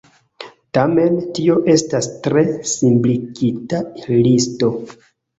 Tamen, tio estas tre simpligita listo.